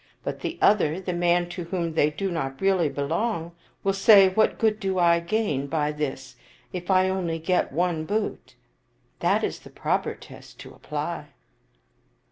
' But the other, the man to whom they do not really belong, will say, ' What good do I gain by this if I only get one boot? ' That is the proper test to apply."